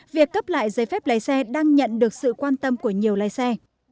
việc cấp lại giấy phép lái xe đang nhận được sự quan tâm của nhiều lái xe